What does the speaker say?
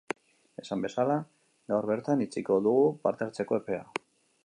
Esan bezala, gaur bertan itxiko dugu parte-hartzeko epea.